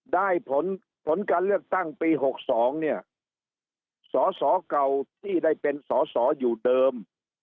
ได้ผลผลการเลือกตั้งปี๖๒เนี่ยสสเก่าที่ได้เป็นสอสออยู่เดิม